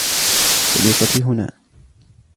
صديقتي هنا.